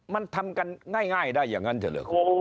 มันทำกันง่ายได้อย่างนั้นเถอะเหรอครับ